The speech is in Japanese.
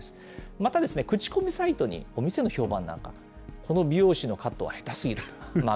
また、口コミサイトにお店の評判なんか、この美容師のカットは下手すぎる。